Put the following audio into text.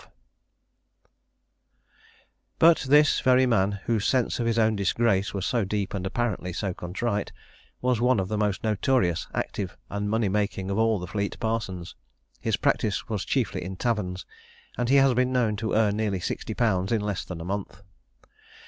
But this very man, whose sense of his own disgrace was so deep and apparently so contrite, was one of the most notorious, active, and money making of all the Fleet parsons. His practice was chiefly in taverns, and he has been known to earn nearly sixty pounds in less than a month.